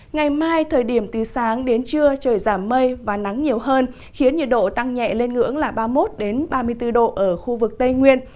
ngày mai thời điểm từ sáng đến trưa trời giảm mây và nắng nhiều hơn khiến nhiệt độ tăng nhẹ lên ngưỡng là ba mươi một ba mươi bốn độ ở khu vực tây nguyên